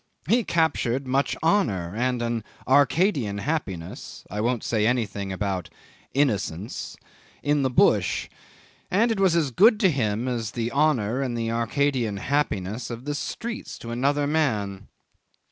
He captured much honour and an Arcadian happiness (I won't say anything about innocence) in the bush, and it was as good to him as the honour and the Arcadian happiness of the streets to another man.